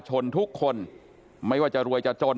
๖จองราคบมาหรือหัวตรีธรรม